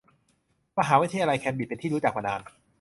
มหาวิทยาลัยเคมบริดจ์เป็นที่รู้จักมานาน